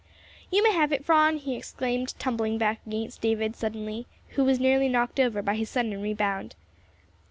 "You may have it, Phron!" he exclaimed, tumbling back against David suddenly, who was nearly knocked over by his sudden rebound.